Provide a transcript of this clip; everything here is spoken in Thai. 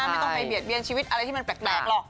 ไม่ต้องไปเบียดเบียนชีวิตอะไรที่มันแปลกหรอก